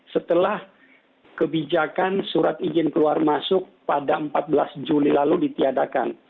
setelah kebijakan surat izin keluar masuk pada empat belas juli lalu ditiadakan